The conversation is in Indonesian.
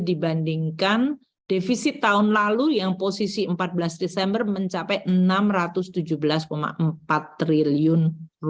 dibandingkan defisit tahun lalu yang posisi empat belas desember mencapai rp enam ratus tujuh belas empat triliun